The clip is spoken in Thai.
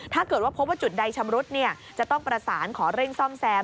ถ้าเกิดว่าพบว่าจุดใดชำรุดจะต้องประสานขอเร่งซ่อมแซม